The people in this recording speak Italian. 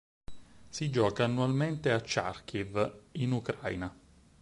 Si gioca annualmente a Charkiv in Ucraina.